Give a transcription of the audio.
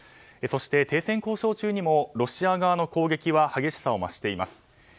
そして停戦交渉中にもロシア側の攻撃は激しさを増しています。